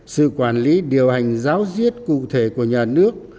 sự quản lý điều hành giáo diết cụ thể của nhà nước